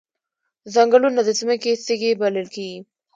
ځنګلونه د ځمکې سږي بلل کیږي